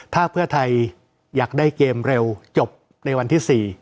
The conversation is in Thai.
ถ้าเพื่อไทยอยากได้เกมเร็วจบในวันที่๔